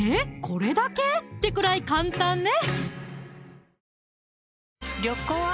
これだけ？ってくらい簡単ね！